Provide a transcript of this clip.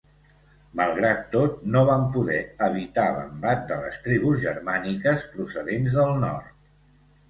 Malgrat tot no van poder evitar l'embat de les tribus germàniques procedents del nord.